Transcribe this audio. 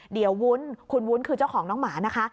เดี๋ยววุ้นคุณวุ้นคือเจ้าของน้องหมานะคะ